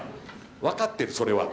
分かってるそれは。